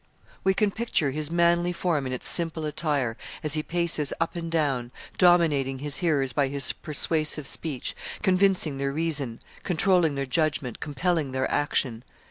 We can picture his manly form in its simple attire, as he paces up and down, dominating his hearers by his persuasive speech, convincing their reason, controlling their judgement, compelling their action.